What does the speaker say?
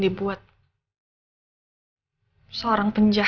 ditempat tempat menrier